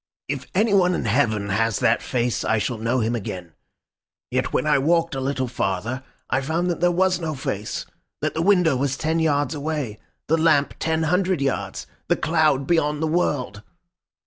If anyone in heaven has that face I shall know him again. Yet when I walked a little farther I found that there was no face, that the window was ten yards away, the lamp ten hundred yards, the cloud beyond the world.